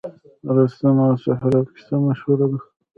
د رستم او سهراب کیسه مشهوره ده